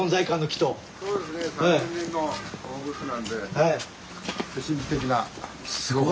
はい。